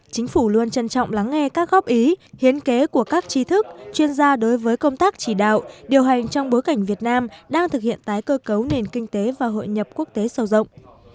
chính phủ luôn trân trọng lắng nghe các góp ý hiến kế của các tri thức chuyên gia đối với công tác chỉ đạo điều hành trong bối cảnh việt nam đang thực hiện tái cơ cấu nền kinh tế và hội nhập quốc tế sâu rộng